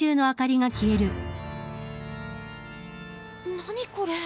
何これ？